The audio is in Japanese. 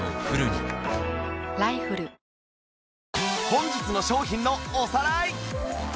本日の商品のおさらい